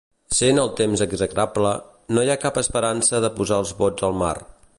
Sent el temps execrable, no hi ha cap esperança de posar els bots al mar.